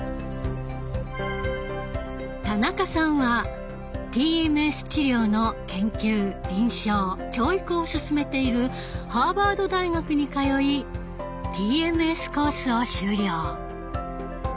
田中さんはＴＭＳ治療の研究臨床教育を進めているハーバード大学に通い「ＴＭＳコース」を修了。